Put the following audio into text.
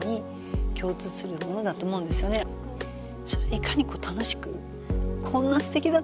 いかに楽しくこんなすてきだったんだって。